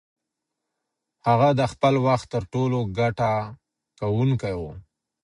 هغه د خپل وخت تر ټولو ګټه کوونکې وه.